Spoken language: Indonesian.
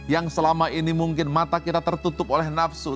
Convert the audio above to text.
yang selama ini mungkin mata kita tertutup oleh nafsu